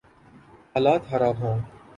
حالات خراب ہوں۔